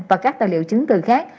và các tài liệu chứng từ khác